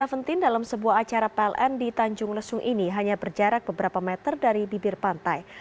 covid sembilan belas dalam sebuah acara pln di tanjung lesung ini hanya berjarak beberapa meter dari bibir pantai